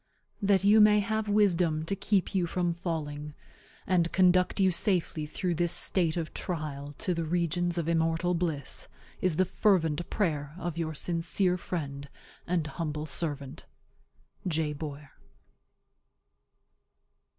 That you may have wisdom to keep you from falling, and conduct you safely through this state of trial to the regions of immortal bliss, is the fervent prayer of your sincere friend and humble servant, J. BOYER.